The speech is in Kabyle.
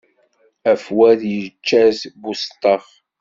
Afwad yečča-t buseṭṭaf.